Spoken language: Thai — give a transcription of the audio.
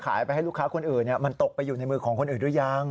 ไปให้ลูกค้าคนอื่นมันตกไปอยู่ในมือของคนอื่นหรือยัง